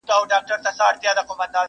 بله چي وي راز د زندګۍ لري!.